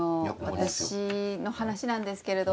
私の話なんですけれども。